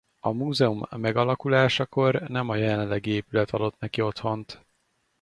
A múzeum megalakulásakor nem a jelenlegi épület adott neki otthont.